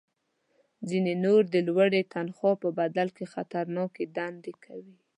ځینې نور د لوړې تنخوا په بدل کې خطرناکې دندې کوي